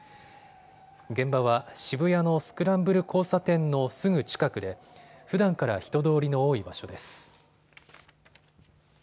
現場は渋谷のスクランブル交差点のすぐ近くでふだんから人通りの多い場所です。